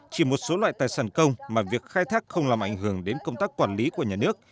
chỉ một số loại tài sản công mà việc khai thác không làm ảnh hưởng đến công tác quản lý của nhà nước